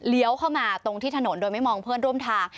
เข้ามาตรงที่ถนนโดยไม่มองเพื่อนร่วมทาง